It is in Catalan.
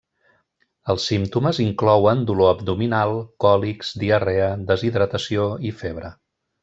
Els símptomes inclouen dolor abdominal, còlics, diarrea, deshidratació i febre.